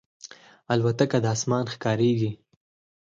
الوتکه د اسمان ښکاریږي.